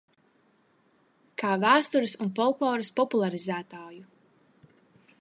Kā vēstures un folkloras popularizētāju.